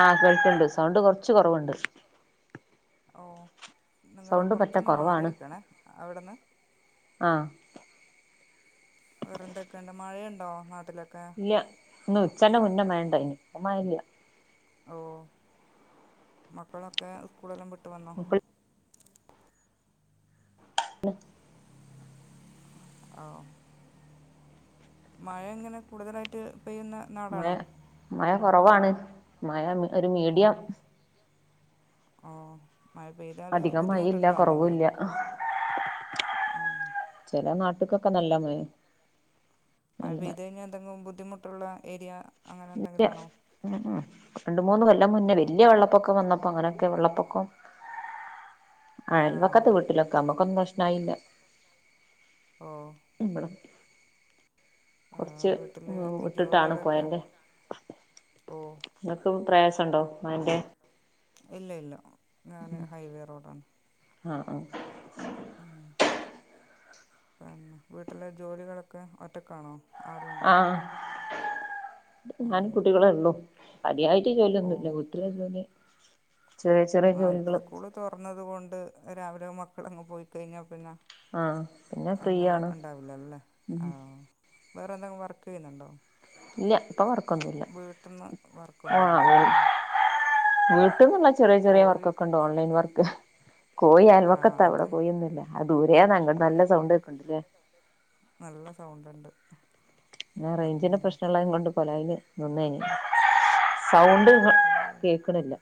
ആഹ് കുഴപ്പുണ്ട് സൗണ്ട് കൊറച്ച് കുറവുണ്ട് ഓ നിങ്ങള് പറ്റെ കൊറച്ചൊന്ന് മാറി കൊറവാണ് നിക്കണേ അവിടന്ന് ആഹ് വേറെന്തൊക്കെയുണ്ട് മഴയുണ്ടോ നാട്ടിലൊക്കെ ഇല്ല ഇന്ന് ഉച്ചന്റെ മുന്നെമഴ ഉണ്ടായി ഇപ്പം മഴയില്ല ഓ മക്കളൊക്കെ സ്കൂളെല്ലാം വിട്ടു വന്നോ ഇപ്പ ആഹ് മഴ എങ്ങനെ കൂടുതലായിട്ട് പെയ്യുന്ന നാടാണോ കുറവാണ് മഴ ഒരു ഓ മീഡിയം ഓ മഴ പെയ്താല് അധികം മഴയില്ല ബുദ്ധിമുട്ടുണ്ടോ എന്തെങ്കിലും കൊറവുല്ല ഇല്ല കുഴപ്പമില്ല ആഹ് [unintelligible] ക്കൊക്കെ നല്ല മഴയാ മഴ പെയ്ത കഴിഞ്ഞാൽ എന്തെങ്കിലും ബുദ്ധിമുട്ടുള്ള ഏരിയ അങ്ങനെ ഇല്ല എന്തെങ്കിലും ആണോ ഉം ഉം രണ്ട് മൂന്ന് കൊല്ലം മുന്നേ ആ വലിയ വെള്ളപ്പൊക്കം വന്നപ്പോ അങ്ങനെയൊക്കെ വെള്ളപ്പൊക്കം ആ അയൽവക്കത്തെ വീട്ടിലൊക്കെ നമ്മക്കൊന്നും പ്രശ്നയില്ല ഓ ഇവിടെ ആ കുറച്ച് വീട്ടിൽ വിട്ടിട്ടാണ് ജോലികളൊക്കെ പൊയന്റെ ഓ നിങ്ങക്ക് പ്രയാസ ണ്ടോ മഴന്റെ ഇല്ല ഇല്ല ഞാന് ഹൈവേ റോഡാണ് ആഹ് ആഹ് ഉം പിന്നെ വീട്ടിലെ ജോലികളൊക്കെ ഒറ്റക്കാണോ ആഹ് ആ ഞാനും കുട്ടികളെ ഉള്ളു പടിയായിട്ട് ഓ ജോലിയൊന്നുല്ല വീട്ടില്ങ്ങനെ ആഹ് ഇപ്പൊ സ്കൂള് തുറന്നത് കൊണ്ട് രാവിലെ മക്കളങ്ങ് പോയിക്കഴിഞ്ഞാ പിന്നെ ആഹ് പിന്നെ അങ്ങ് ഫ്രീയാണ് ഉണ്ടാവില്ലല്ലോ അല്ലേ ആ ഉം. വേറെ എന്തെങ്കിലും വർക്ക് ചെയ്യുന്നുണ്ടോ? ഇല്ല ഇപ്പൊ വർക്കൊന്നുല്ല വീട്ട്ന്ന് വർക്കൊന്നുംല്ലായിരിക്കുംല്ലേ? വീട്ടാന്ന്ള്ളെ ചെറിയ ചെറിയ വർക്കൊക്കെണ്ട് ഓൺലൈൻ വർക്ക് കോഴി ആ അയൽവക്കത്താ ഇവിടെ അതന്നെ കോഴിയൊന്നൂല്ല. അത് ദൂരെയാന്ന് അങട്ട് നല്ല സൗണ്ട് കേക്ക്ണ്ട് ല്ലേ... നല്ല സൗണ്ട്ണ്ട്. റെയ്ഞ്ചിന്റെ പ്രശ്നള്ളയിനെങ്കൊണ്ട് കൊലായില് നിന്നാ ഞാന്. സൗണ്ട് കേൾക്ക്ണില്ല.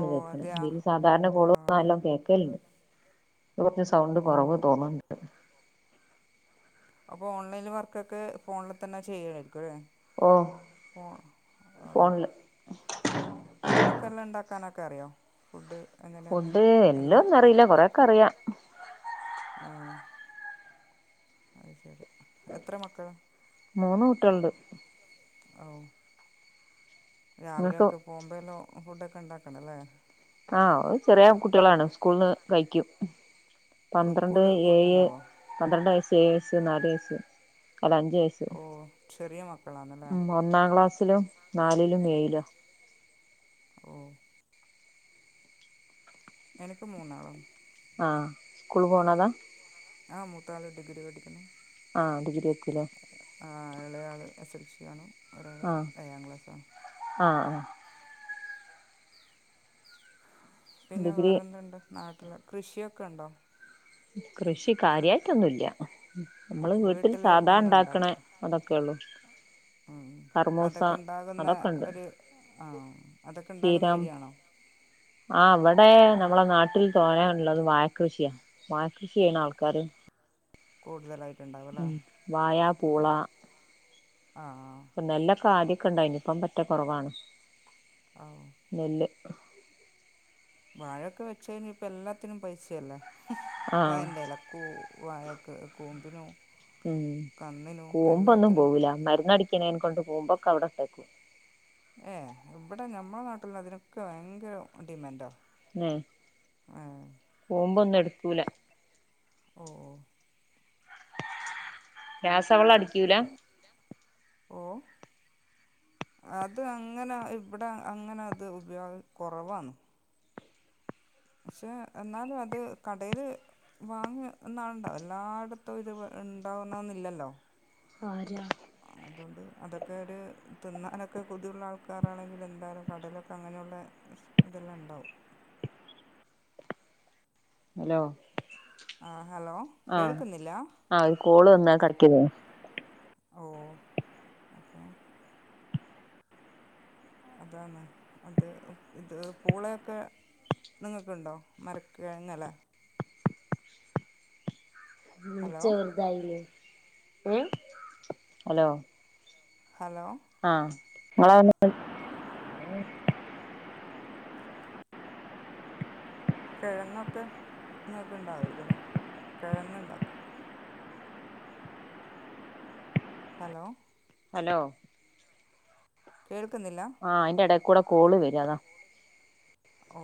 ഓ കേൾക്ക്ണെ, അതെയോ ഇതില് സാധാരണ ആ കോള് വന്നാലും എല്ലാം കേക്കല്ണ്ട്. കുറച്ച് സൗണ്ട് ഓ കുറവ് തോന്ന്ണ്ട്. അപ്പോ ഓൺലൈനിൽ വർക്കൊക്കെ ഫോണിൽ തന്നെ ചെയ്യ ഓഹ് ഫോണില് [unintelligible] ഫുഡൊക്കെ എല്ലാം ഇണ്ടാക്കാനൊക്കെ അറിയോ ഫുഡ് ഫുഡ് എല്ലാം ഒന്നും അറിയില്ല കൊറേക്കെ അറിയാ.. ആഹ അ ശരി എത്ര മക്കളാ? മൂന്ന് കുട്ടികളുണ്ട്. ഓ രാവിലെ നിങ്ങൾക്ക് ഒക്കെ പോകുമ്പോല്ലാം ഫുഡ് ഒക്കെ ഉണ്ടാക്കണല്ലേ? ആഹ് ഓര് ചെറിയ കുട്ടികളാണ് സ്കൂള്ന്ന് കഴിക്കും. പന്ത്രണ്ട്, സ്കൂളിൽ ഫുഡ് ഏഴ്, ഉണ്ടാവോ പന്ത്രണ്ട് വയസ്, ഏഴ് വയസ്, നാല് വയസ്. അല്ല അഞ്ച് വയസ്സ് ഓ ചെറിയ മക്കളാണല്ലേ ഉ ഒന്നാം ക്ലാസ് ും നാലിലും ഏഴ്ലാ ഓ എനിക്ക് മൂന്നാളാണ്. ആ സ്കൂള് പോണതാ? ആ മൂത്താള് ഡിഗ്രി പഠിക്കുന്നു. ആ ഡിഗ്രി എത്തിലേ ആ ഇളയാൾ എസ് എൽ സിയാണ് ആ ആ ആ പിന്നെ ഡിഗ്രി വേറെന്തുണ്ട് നാട്ടില്, കൃഷിയൊക്കെ ഉണ്ടോ? കൃഷി കാര്യായിട്ടൊന്നുംല്ല. നമ്മള് വീട്ടിൽ സാധാ ഉണ്ടാക്കണേ അതൊക്കെയുള്ളൂ. ഉ അതൊക്കെ ഉണ്ടാകുന്ന അതൊക്കെണ്ട് ഒരു ആ അതൊക്കെ ഉണ്ടാകുന്ന [unintelligible] ഏരിയാണോ ആ അവിടെ നമ്മളെ നാട്ടിൽ ഉള്ളത് വാഴകൃഷിയാ വാഴ കൃഷിയാണ് ആൾക്കാര് കൂടുതലായിട്ട്. ഉം വായാ പൂളാ ആ ഇപ്പ നെല്ലൊക്കെ ആദ്യൊക്കെണ്ടായ്നി ഇപ്പം പറ്റെ കൊറവാണ് ആ നെല്ല് [inaudible] വാഴൊക്കെ വെച്ചയിഞ്ഞാ ഇപ്പ എല്ലാത്തിനും പൈസയല്ലേ. ആ വാഴന്റെ ഇലക്കു വായക്കു കൂമ്പിനും ഉം കന്നിനും കൂമ്പൊന്നും എല്ലാത്തിനും പോവൂല്ല മരുന്നടിക്ക എൻ കൊണ്ടു കുമ്പോക്കെ അവിടെട്ടക്കും. ഏ ഇവിടെ നമ്മളെ നാട്ടില് അതിനൊക്കെ ഭയങ്കര ഡിമാൻഡാ. ഏ ഏ കൂമ്പൊന്നും എടുക്കൂല. ഓ ഓ രാസ വളം അടിക്കൂല? ഓ അത് അങ്ങനെ ഇവിടെ അങ്ങനെ അത് ഉപയോഗ കുറവാണ്. പക്ഷെ എന്നാലും അത് കടയില്. വാങ്ങ എന്നാണ്ടാവ എല്ലായിടത്തും ഇത് ഉണ്ടാവുന്നന്നില്ലല്ലോ. ആരാ. ആഹ അതുകൊണ്ട് അതൊക്കെ ഒരു തിന്നാനൊക്കെ കൊതിവുള്ള ആൾക്കാരാണെങ്കിൽ എന്തായാലും കടലൊക്കെ അങ്ങനെയുള്ള. ഇതെല്ലാം ഉണ്ടാവും ഹലോ ആ ഹലോ ആഹ കേൾക്കുന്നില്ല ആ ഒരു കോള് വന്നതാണ്. ഓ ഓക്കെ അതാണ് അത് ഇത് പൂളയൊക്കെ. നിങ്ങൾക്കുണ്ടോ മര കിടങ്ങല്ലേ. ഹലോ ചെറുതായില്ലേ ഹലോ ഹലോ ആഹ നിങ്ങൾ. കെഴങ്ങൊക്കെ നിങ്ങക്കിണ്ടാവൂല്ലേ കെഴങ്ങ് ഇണ്ടാ ഹലോ ഹലോ കേൾക്കുന്നില്ല ആ അയിന്റെ ഇടയിൽ കൂടെ കോള് വരാ അതാ ഓ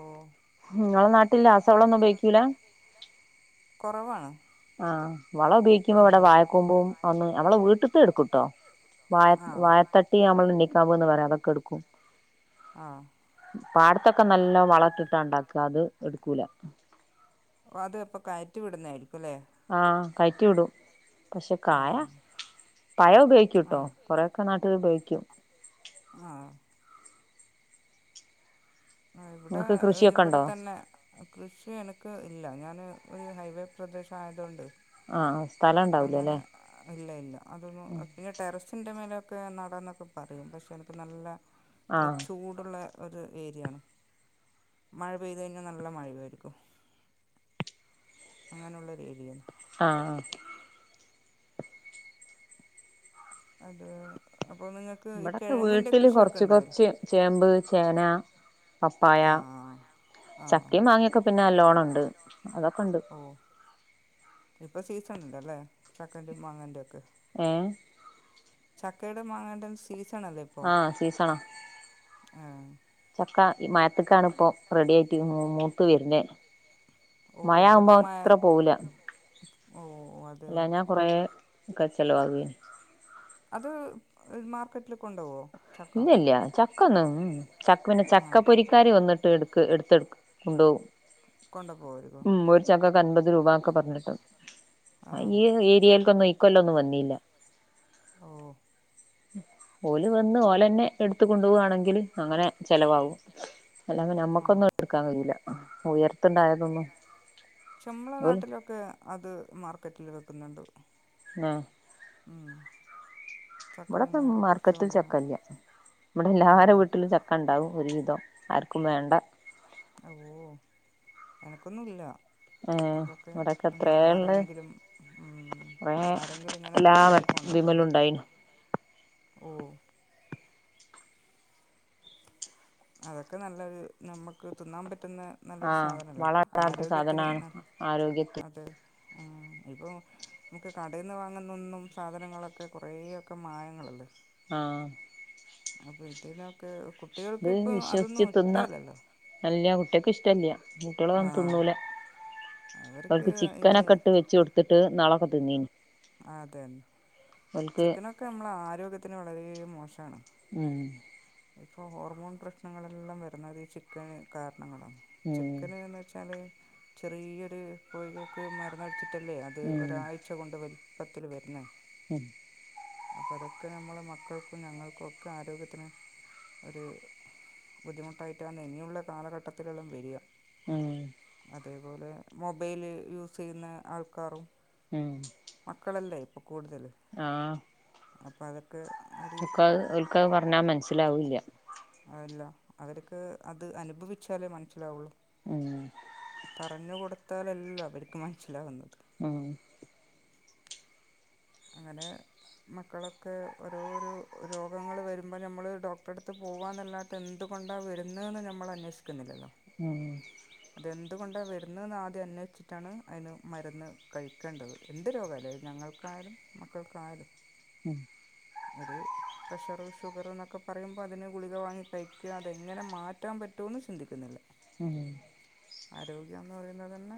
നിങ്ങളെ നാട്ടില് രാസവളൊന്നു ഉപയോഗിക്കൂല കുറവാണ് ആഹ് വളം ഉപയോഗിക്കുമ്പോ ഇവിട വാഴക്കൂമ്പും ഒന്ന് അവള വീട്ടത്ത് എടുക്കുട്ടോ വാഴ ആഹ് വഴത്തട്ടി നമ്മൾ എണ്ണിക്കാമ്പന്ന് പറയാം അതൊക്കെ എടുക്കും ആഹ് പാടത്തൊക്കെ നല്ലോ വളൊട്ടിട്ടാ ഉണ്ടാക്ക അത് എടുക്കൂല അപ്പ അത് എപ്പ റ്റി വിടുന്നാരി ആ കയറ്റി വിടു പക്ഷെ കായ ആഹ് പഴ ഉപയോഗിക്കുംട്ടോ ആഹ് കൊറേക്കെ നാട്ടില് ഉപയോഗിക്കും ആഹ് ആ ഇവിട നിങ്ങൾക്ക് കൃഷിയൊക്കെ ഉണ്ടോ ഇവിടത്തന്നെ കൃഷി എനിക്ക് ഇല്ല ഞാന് ഒരു ഹൈവേ പ്രദേശ ആയതോണ്ട് ആഹ് സ്ഥലം അങ്ങന ഉണ്ടാവൂലല്ലേ അ ഇല്ല ഇല്ല അതൊന്നും പിന്നെ ടെറസിന്റെ മേലെ ഒക്കെ നടന്നൊക്കെ പറയും പക്ഷെ എനിക്ക് നല്ല എ ആഹ് ചൂടുള്ള ഒരു ഏരിയയാണ് മഴ പെയ്ത് കഴിഞ്ഞാ നല്ല മഴേ രിക്കും അങ്ങനെള്ളൊരുഏരിയേണ് ആ ആ അത് അപ്പോൾ നിങ്ങൾക്ക് ഈ ഇവിടൊക്കെ കിഴങ്ങിൻ്റെ വീട്ടില് കൃഷിയൊക്കെ കൊറച്ച് ഉണ്ടാവില്ലേ കൊറച്ച് ചേമ്പ് ചേന പപ്പായ ആ ആ ചക്കയും മങ്ങയൊക്കെ പിന്ന നല്ലോ ണുണ്ട് അതൊക്കൊണ്ട് ഇപ്പ സീസൺ ഇണ്ടല്ലേ ചക്കന്റെ മാങ്ങന്റെ ഒക്കെ ആ ചക്കയുടെ മാങ്ങന്റേം സീ ആ സീസണാ ആ ക്ക ഈ മാത്ത്ക്കാണിപ്പോ റെഡി യായിട്ട് മൂ മൂത്ത് വരുന്നെ ഓ മഴ ആവുമ്പോ അതിപ്പോൾ മഴ അത്ര പോവൂല്ല ഓ അത് അല്ല ഞാൻ കൊറേക്കെ ചെലവാകുകേം അത് എ് മാർക്കറ്റില് കൊണ്ടോവോ ഇല്ല ഇല്ല ചക്കൊന്നും ഉം ചക്കപിന്നെ ആ ചക്ക പൊരിക്കാര് വന്നിട്ട് എടുക്ക് എടുത്ത് കൊണ്ടോവും കൊണ്ടോവോ ഉം ഒരു ചക്കക്ക് അൻമ്പത് രൂപാക്ക പറഞ്ഞിട്ട് ആ ഈ ഏരിയേക്കൊന്നും ഇക്കൊല്ലൊ ന്നും വന്നില്ല ഓ ഓല് വന്ന് ഓലന്നെ എടുത്തു കൊണ്ടു പോവാണെങ്കില് അങ്ങനെ ചെലവാകും അല്ലെങ്കി ആ നമ്മക്കൊന്നും എടുത്ത് ക്കാൻ കഴിയില്ല ഉയർത്ത്ണ്ടായതൊന്നും ചെമ്മള നാട്ടിലൊക്കെ അത് മാർക്കറ്റില് വെക്കുന്നുണ്ട് ആ ഊം ഇവിടെക്കെ മാർക്കറ്റിൽ ചക്കയില്ല ഇവിടെ എല്ലരെ കൊണ്ടുപോകുന്നുണ്ട് വീട്ടിലും ചക്കണ്ടാവും ഒരു വിധം ആർക്കും വേണ്ട ഓ എനക്കൊന്നും ഇല്ല ഏ അതൊക്കെ ഇവിടൊക്കെ ഇങ്ങനെ എത്രേള്ള് ആരെങ്കിലും ഊം ആരെങ്കിലും ഇങ്ങനെ കിട്ടീട്ട് വിമല് ഉണ്ടായി ഓ അതൊക്കെ നല്ലരു നമുക്ക് തിന്നാൻ പറ്റും പറ്റു നല്ലൊരു ആഹ് സാധനല്ലേ വള ഇടാത്ത സാധനാണ് ആരോഗ്യത്തിന് ആരോഗ്യത്തിന് അത് ഉ ഇപ്പോൾ നമുക്ക് കടയിൽ നിന്ന് വാങ്ങുന്ന ഒന്നും സാധനങ്ങളൊക്കെ കുറേയൊക്കെ മായങ്ങളുണ്ട് ആ അപ്പൊ ഇതിനൊക്കെ കുട്ടികൾക്ക് ഇപ്പൊ അതൊന്നും ഇഷ്ട്ടല്ലല്ലോ നല്ല കുട്ടികക്ക് ഇഷ്ടമല്ല കുട്ടികളി ആ തൊന്നു തിന്നൂല അവർക്ക് ചിക്കനൊക്കെ ഇട്ട് വെച്ച കൊടുത്തിട്ട് നളക്കെ തിന്നീന് അതെന്നെ ഓൽക്ക് ചിക്കനൊക്കെ നമ്മള ആരോഗ്യത്തിന് വളരെ മോശമാണ് ഉം ഇപ്പോ ഹോർമോൺ പ്രശ്നങ്ങളെല്ലാം വരുന്നത് അത് ചിക്കന് കാര ഉം ചിക്കന് എന്ന് വെച്ചാൽ ചെറിയരു കോഴികൾക്ക് മരുന്ന് പറ്റല്ലേ അത് ഉം ഒരാഴ്ച കൊണ്ട് വലിപ്പത്തിൽ വരുന്ന ഉം അപ്പൊ അതൊക്കെ നമ്മളെ മക്കൾക്കും ഞങ്ങൾക്കും ഒക്കെ ആരോഗ്യത്തിന് ഒരു ബുദ്ധിമുട്ടായിട്ടാന്ന് ഇനിയുള്ള കാലഘട്ടത്തിലെല്ലാം വരിക ഉം അതേപോലെ മൊബൈല് യൂസ് ചെയ്യുന്ന ആൾക്കാറും ഉം മക്കളല്ലേ ഇ കൂടുതൽ അപ്പൾ അതൊക്കെ ഒരു ഒ ഒരിക്കത് പറഞ്ഞാൽ മനസ്സിലാവൂല്ല അല്ല അവരക്ക് അത് അനുഭവിച്ചാലേ മനസ്സിലാവുള്ളൂ ഉം പറഞ്ഞു കൊടുത്താലല്ലോ അവർക്ക് മനസ്സിലാകുന്നത് ആ [inaudible] അങ്ങനെ മക്കളൊക്കെ ഓരോരോ രോഗങ്ങൾ വരുമ്പോൾ നമ്മൾ ഡോക്ടറടുത്ത് പോകുക എന്നല്ലാട്ട് എന്തും കൊണ്ട വരുന്നന്ന് നമ്മൾ അന്വേഷിക്കുന്നില്ലല്ലോ ഉം അ അതുകൊണ്ട് വരുന്നെന്ന് ആദ്യം അന്വേഷിച്ചിട്ടാണ് അതിന് മരുന്ന് കഴിക്കേണ്ടത് എന്ത് രോഗാല ഞങ്ങൾക്കായാലും മക്കൾക്കായാലും ഉം ഒരു പ്രഷർ ഷുഗർ എന്നൊക്കെ പറയുമ്പോ അതിന് ഗുളിക വാങ്ങി കഴിക്കുക അതെങ്ങനെ മാറ്റാൻ പറ്റും ഏറ്റോന്നും ചിന്തിക്കുന്നില്ല [inaudible] ഉം ആരോഗ്യന്ന് പറയുന്നത് തന്നെ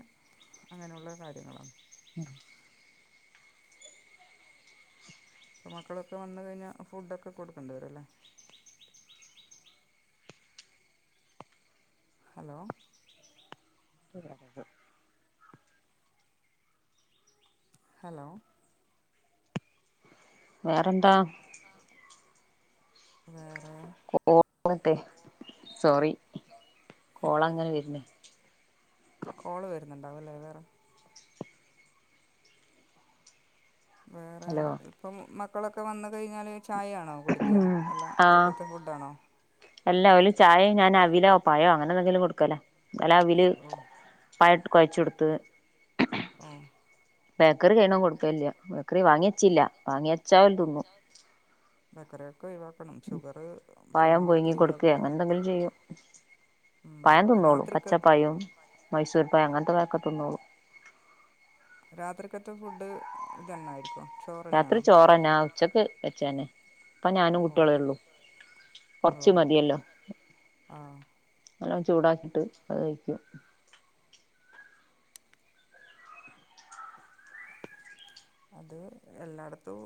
അങ്ങനെയുള്ള കാര്യങ്ങളാണ് ഉം അപ്പ മക്കളൊക്കെ വന്ന് കഴിഞ്ഞാൽ ഫുഡൊക്കെ കൊടുക്കേണ്ടി വരും അല്ലേ ഹലോ ന്ത [inaudible] ഹലോ വേറെന്താ വേറെ കോളട്ടെ സോറി കോള അങ്ങനെ വരുന്നേ കോള് വരുന്നുണ്ടാവല്ലേ വേറെ വേറെ ഹലോ ഇപ്പം മക്കളൊക്കെ വന്ന കഴിഞ്ഞാല് ചായയാണ് ആണോ കുടിക്ക ഉം അല്ല ഉച്ചക്കത്തെ ഫുഡ്ആണോ എല്ല ഒരു ചായയും ഞാൻ അവിലോ പഴോ അങ്ങനെ എന്തെങ്കിലും കൊടുക്കല്ലേ ഇന്നേല്ല അവില് പഴട്ട് കുഴച് കൊടുത്ത് ആഹ ബേക്കറി കഴു വതും കൊടുക്കില്ല ബേക്കറി വാങ്ങിയിച്ചില്ല വാങ്ങിയച്ചാൽ തിന്നു ബേക്കറിയാക്ക കുറകണം ഷുഗർ പഴം പരമാവധി പുഴുങ്ങി ഒഴിവാക്കുക പയം തിന്നോളും രാത്രിക്ക് പച്ചപ്പയം, മൈസൂർ പയം അങ്ങനത്തെ [unintelligible] രാത്രിക്കത്തെ ഫുഡ് തന്നെ ആയിര്ക്കോ? രാത്രി ചോറന്നെ ആ ഉച്ചക്ക് വെച്ചേന്നേ ഇപ്പോ ഞാനും ഓ കുട്ടിളെള്ളു ഓ കൊർച്ച്മതിയല്ലോ ആ ഹ് ല്ലം ചൂടാക്കിട്ട് അഉ കയ്ക്കും അത് എല്ലായിടത്തും,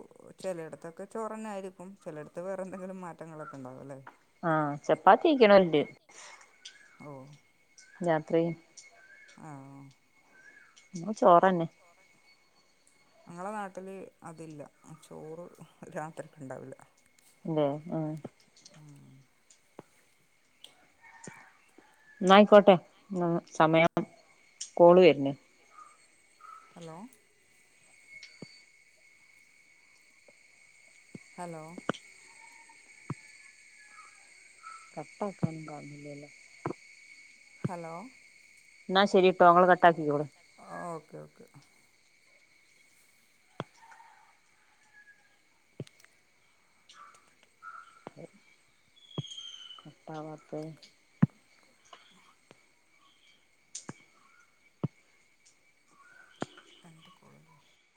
ചിലയിടത്തൊക്കെ ചോറന്നെ ആയിരിക്കും. ചിലയിടത്ത് വേറെ എന്തെങ്കിലും മാറ്റങ്ങൾ [unintelligible] ഉണ്ടാവുലെ ആഹ് ചപ്പാത്തി [unintelligible] ഓ രാത്രി ആ നമ്മള് ചോറന്നെ ഞങ്ങളെ നാട്ടില് അതില്ല ചോറ് രാത്രി ഉണ്ടാവില്ല എന്തെആ എന്നായിക്കോട്ടെ സമയം കോള് വരുന്ന് ഹലോ ഹലോ [unintelligible] ഹലോ എന്നാ ശരി ട്ടോ നിങ്ങള് കട്ടാക്കി ക്കോളി ഓക്കെന്ന [inaudible] കട്ടാവാത്തെ എന്ത്‌ കോഡ് [inaudible]